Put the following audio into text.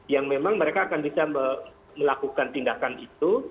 yang memang mereka akan bisa melakukan tindakan itu